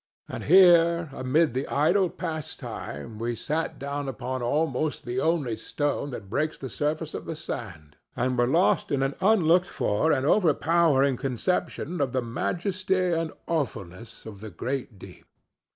And here amid our idle pastime we sat down upon almost the only stone that breaks the surface of the sand, and were lost in an unlooked for and overpowering conception of the majesty and awfulness of the great deep.